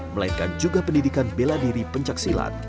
melainkan juga pendidikan bela diri pencaksilat